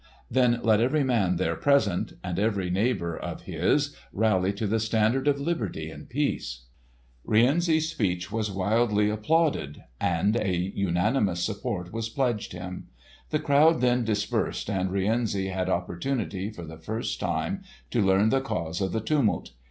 Then let every man there present, and every neighbour of his, rally to the standard of liberty and peace! Rienzi's speech was wildly applauded, and a unanimous support was pledged him. The crowd then dispersed, and Rienzi had opportunity, for the first time, to learn the cause of the tumult.